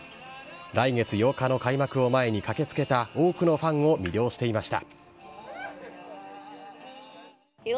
来月８日の開幕を前に駆けつけた多くのファンを魅了していました。